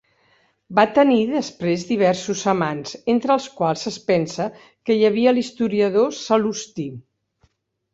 Va tenir després diversos amants, entre els quals es pensa que hi havia l'historiador Sal·lusti.